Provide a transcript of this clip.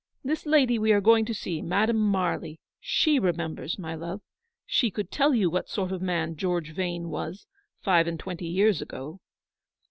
This lady we are going to see, Madame Marly, she remembers, my love. She could tell you what sort of a man George Yane was five and twenty years ago.'